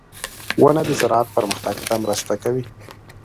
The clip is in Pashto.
• ونه د زراعت پرمختګ ته مرسته کوي.